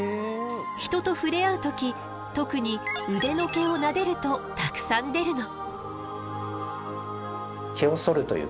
人と触れ合う時特に腕の毛をなでるとたくさん出るの。